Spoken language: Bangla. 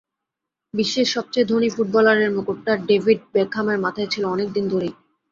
বিশ্বের সবচেয়ে ধনী ফুটবলারের মুকুটটা ডেভিড বেকহামের মাথায় ছিল অনেক দিন ধরেই।